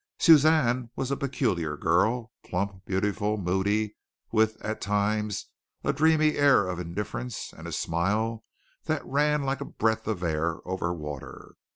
Suzanne was a peculiar girl, plump, beautiful, moody, with, at times, a dreamy air of indifference and a smile that ran like a breath of air over water.